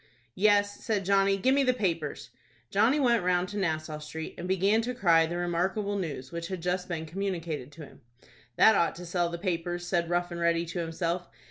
"Yes," said Johnny. "Give me the papers." Johnny went round to Nassau Street, and began to cry the remarkable news which had just been communicated to him. "That ought to sell the papers," said Rough and Ready to himself.